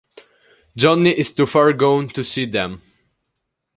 Johnny is too far gone to see them.